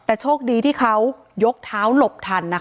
แต่โชคดีที่เขายกเท้าหลบทันนะคะ